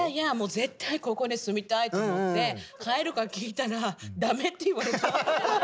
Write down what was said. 絶対ここに住みたいと思って買えるか聞いたらダメって言われた。